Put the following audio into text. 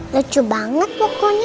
lucu banget pokoknya